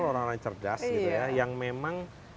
orang orang yang cerdas gitu ya yang memang